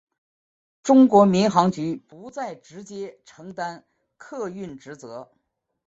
中国民航局不再直接承担客运职责。